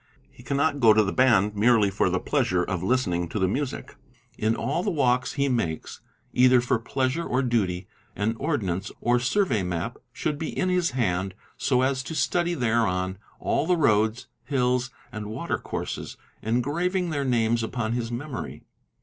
He cannot go to the band merely for the pleasure of listening to the music. In all the walks he » makes, either for pleasure or duty, an ordnance or survey map should be in his hand so.as to study thereon all the roads, hills, and water courses, engraving their names upon his memory.